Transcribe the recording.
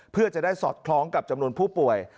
เพื่อจะได้สอดคล้องกับจำนวนผู้ป่วย